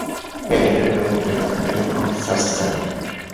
Later, Egyptian slavers began raiding modern South Sudan.